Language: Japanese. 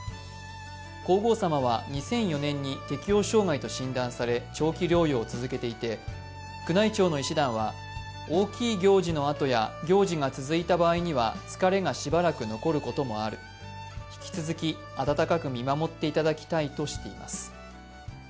皇后さまは２００４年に適応障害と診断され長期療養を続けていて、宮内庁の医師団は大きい行事のあとや行事が続いた場合には疲れがしばらく残ることもある引き続き温かく見守っていただきたいとしています。